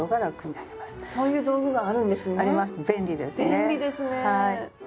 便利ですね。